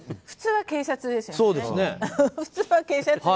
普通は警察ですよね。